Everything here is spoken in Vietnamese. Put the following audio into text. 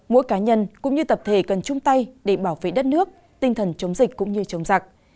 mỗi cá nhân cũng như tập thể cần chung tay để bảo vệ đất nước tinh thần chống dịch cũng như chống giặc